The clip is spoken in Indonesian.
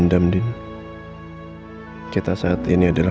kalau misal kita pulak makin perintah